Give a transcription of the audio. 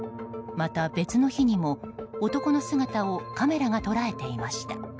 また別の日にも、男の姿をカメラが捉えていました。